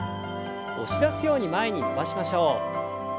押し出すように前に伸ばしましょう。